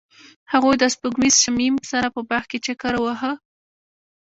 هغوی د سپوږمیز شمیم سره په باغ کې چکر وواهه.